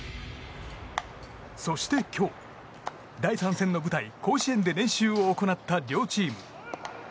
そして今日、第３戦の舞台甲子園で練習を行った両チーム。